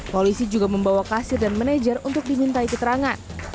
polisi juga membawa kasir dan manajer untuk dimintai keterangan